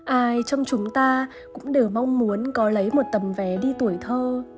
ai trong chúng ta cũng đều mong muốn có lấy một tầm vé đi tuổi thơ